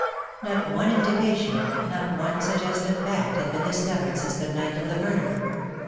Not one indication, not one suggestive fact had been discovered since the night of the murder.